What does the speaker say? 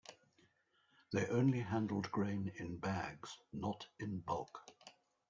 They only handled grain in bags, not in bulk.